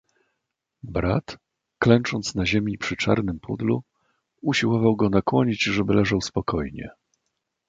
"Brat, klęcząc na ziemi przy czarnym pudlu, usiłował go nakłonić żeby leżał spokojnie."